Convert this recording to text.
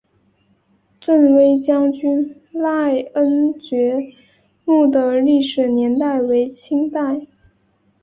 振威将军赖恩爵墓的历史年代为清代。